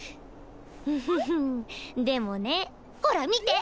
うふふでもねほら見て。